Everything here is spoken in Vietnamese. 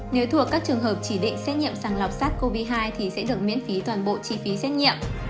nếu thuộc các trường hợp chỉ định xét nghiệm sẵn lọc sát covid một mươi chín thì sẽ được miễn phí toàn bộ chi phí xét nghiệm